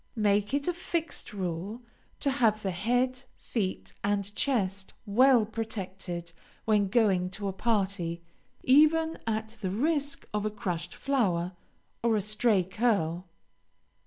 Make it a fixed rule to have the head, feet, and chest well protected when going to a party, even at the risk of a crushed flower or a stray curl.